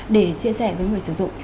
để chia sẻ với người sử dụng